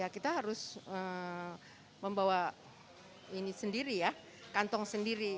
kita harus membawa ini sendiri ya kantong sendiri